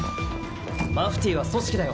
マフティーは組織だよ。